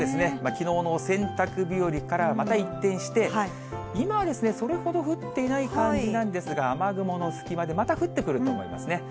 きのうの洗濯日和からまた一転して、今はですね、それほど降っていない感じなんですが、雨雲の隙間でまた降ってくると思いますね。